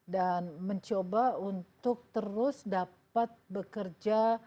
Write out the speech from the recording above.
dan mencoba untuk terus dapat bekerja